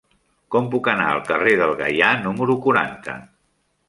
Com puc anar al carrer del Gaià número quaranta?